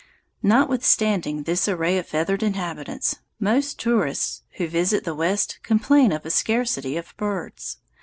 Notwithstanding this array of feathered inhabitants, most tourists who visit the West complain of a scarcity of birds.